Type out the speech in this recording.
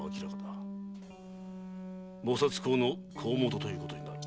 菩薩講の講元ということになる。